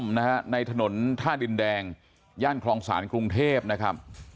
นะฮะในถนนท่าดินแดงย่านคลองศาลกรุงเทพนะครับ